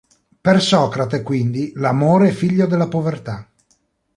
Per Socrate quindi l'amore è figlio della povertà.